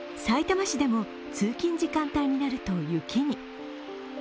さいたま市でも通勤時間帯になると雪に。